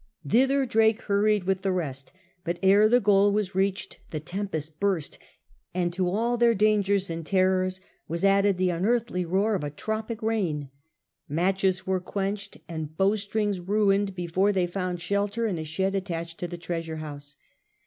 Thither Drake hurried with the rest, but ere the goal was reached the tempest bursty and to all their dangers and terrors was added the unearthly roar of a tropic rain. Matches were quenched and bowstrings ruined before they found shelter in a shed attached to the treasure house.